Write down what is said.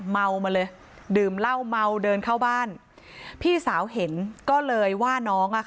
เมามาเลยดื่มเหล้าเมาเดินเข้าบ้านพี่สาวเห็นก็เลยว่าน้องอ่ะค่ะ